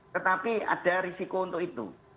tetapi ada risiko untuk itu